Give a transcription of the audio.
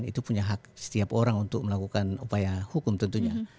itu punya hak setiap orang untuk melakukan upaya hukum tentunya